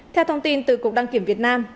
theo thông tin từ cục đăng kiểm việt nam